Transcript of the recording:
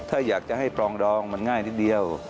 ถ้าอยากจะให้ปรองดองมันง่ายนิดเดียว